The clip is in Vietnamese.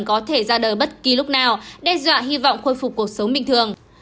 có thể ra đời bất kỳ lúc nào đe dọa hy vọng khôi phục cuộc sống bình thường